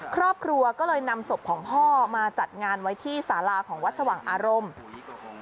ครอบครัวก็เลยนำศพของพ่อมาจัดงานไว้ที่สาราของวัดสว่างอารมณ์